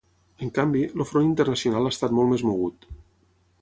En canvi, el front internacional ha estat molt més mogut.